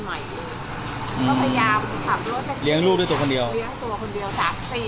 ก็พยายามขับรถไปเลี้ยงลูกด้วยตัวคนเดียวเลี้ยงตัวคนเดียวสามปี